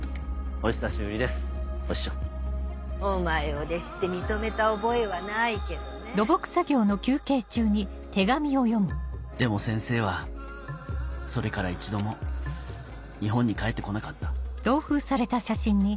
お師匠お前を弟子って認めた覚えはでも先生はそれから一度も日本に帰って来なかった